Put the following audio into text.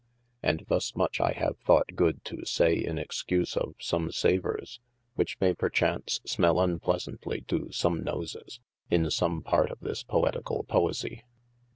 And thus muche I have thought good to say in excuse of some savours, which may perchance smell unpleasantly to some noses, in some part of this poeticall poesie.